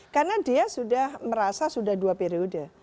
karena dia sudah merasa sudah dua periode